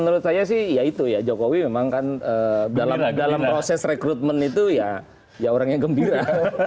menurut saya sih ya itu ya jokowi memang kan dalam proses rekrutmen itu ya orang yang gembira